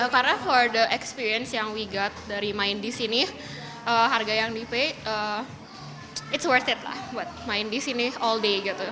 karena pengalaman yang kita dapat dari main di sini harga yang diperoleh itu berharga lah buat main di sini sepanjang hari gitu